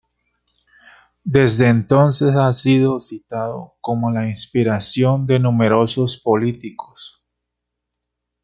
Desde entonces ha sido citado como la inspiración de numerosos políticos.